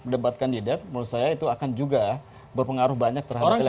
debat kandidat menurut saya itu akan juga berpengaruh banyak terhadap